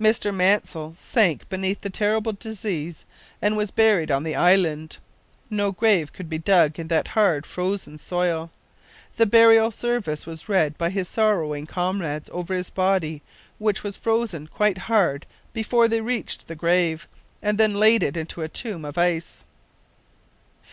Mr Mansell sank beneath the terrible disease and was buried on the island. No grave could be dug in that hard frozen soil. The burial service was read by his sorrowing comrades over his body, which was frozen quite hard before they reached the grave, and then they laid it in a tomb of ice.